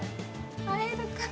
会えるかな。